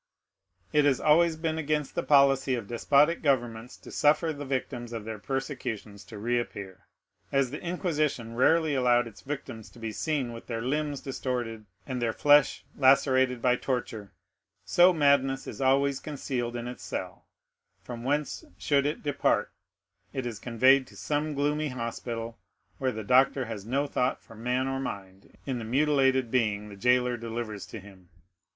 It has always been against the policy of despotic governments to suffer the victims of their persecutions to reappear. As the Inquisition rarely allowed its victims to be seen with their limbs distorted and their flesh lacerated by torture, so madness is always concealed in its cell, from whence, should it depart, it is conveyed to some gloomy hospital, where the doctor has no thought for man or mind in the mutilated being the jailer delivers to him.